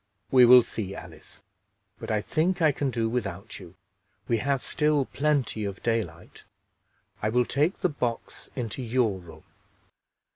"We will see, Alice; but I think I can do without you. We have still plenty of daylight. I will take the box into your room."